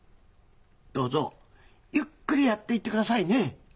どうぞゆっくりやっていって下さいねぇ。